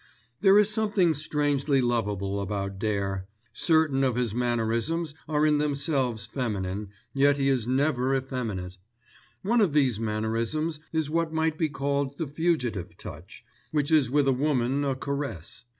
There is something strangely lovable about Dare. Certain of his mannerisms are in themselves feminine; yet he is never effeminate. One of these mannerisms is what might be called the fugitive touch, which is with a woman a caress.